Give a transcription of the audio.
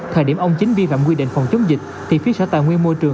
thời điểm ông chính vi phạm quy định phòng chống dịch thì phía sở tài nguyên môi trường